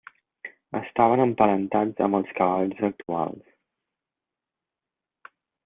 Estaven emparentats amb els cavalls actuals.